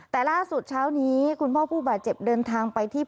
แต่ล่าสุดเช้านี้คุณพ่อผู้บาดเจ็บเดินทางไปที่